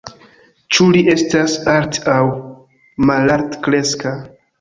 Ĉu li estas alt- aŭ malaltkreska?